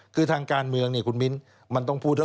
คือทางการเมืองเนี่ยคุณมิ้นมันต้องพูดว่า